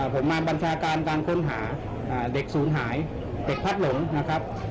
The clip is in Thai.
ผมมาบัญชาการการค้นหาเด็กศูนย์หายเด็กพัดหลงนะครับ